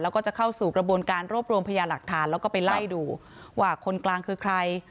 แล้วก็จะเข้าสู่กระบวนการรวบรวมพยาหลักฐานแล้วก็ไปไล่ดูว่าคนกลางคือใคร